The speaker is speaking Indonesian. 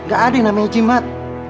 gak ada yang namanya jimat